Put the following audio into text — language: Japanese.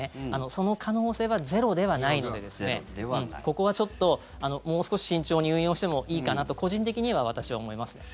その可能性はゼロではないのでここはちょっと、もう少し慎重に運用してもいいかなと個人的には、私は思いますね。